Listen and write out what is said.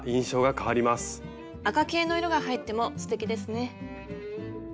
赤系の色が入ってもすてきですね。